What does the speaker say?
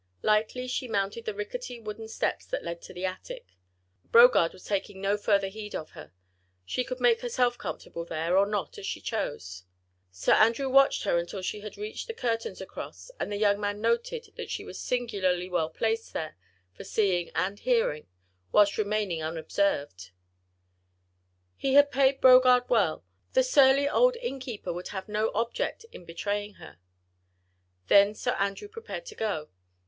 Lightly she mounted the rickety wooden steps that led to the attic. Brogard was taking no further heed of her. She could make herself comfortable there or not as she chose. Sir Andrew watched her until she had reached the loft and sat down upon the straw. She pulled the tattered curtains across, and the young man noted that she was singularly well placed there, for seeing and hearing, whilst remaining unobserved. He had paid Brogard well; the surly old innkeeper would have no object in betraying her. Then Sir Andrew prepared to go.